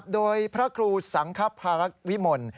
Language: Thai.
โดยพระครูสังครับพระรักษ์วิมล